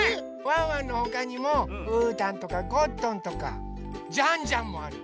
ワンワンのほかにもうーたんとかゴットンとかジャンジャンもある。